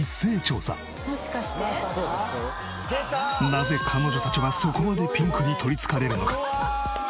なぜ彼女たちはそこまでピンクに取り憑かれるのか？